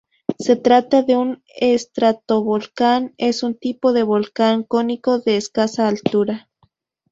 Se trata de un estratovolcán es un tipo de volcán cónico de escasa altura.